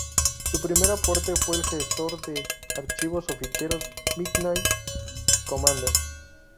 Su primer aporte fue el gestor de archivos o ficheros Midnight Commander.